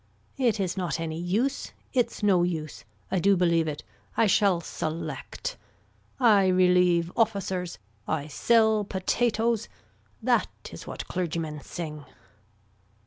It is not any use. It's no use. I do believe it. I shall select. I relieve officers. I sell potatoes. That is what clergymen sing.